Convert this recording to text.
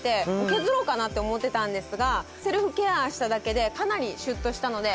削ろうかなって思ってたんですがセルフケアしただけでかなりシュッとしたので。